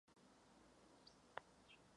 Stanovisko Komise je jasné.